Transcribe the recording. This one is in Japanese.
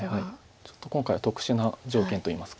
ちょっと今回は特殊な条件といいますか。